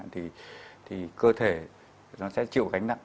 thì cơ thể nó sẽ chịu gánh nặng